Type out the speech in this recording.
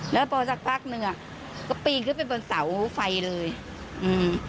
แล้วพอสักพักหนึ่งอ่ะก็ปีนขึ้นไปบนเสาไฟเลยอืม